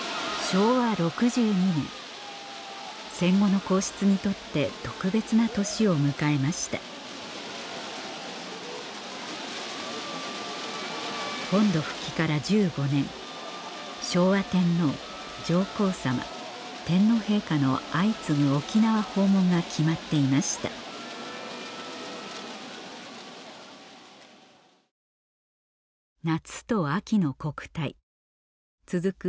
昭和６２年戦後の皇室にとって特別な年を迎えました本土復帰から１５年昭和天皇上皇さま天皇陛下の相次ぐ沖縄訪問が決まっていました夏と秋の国体続く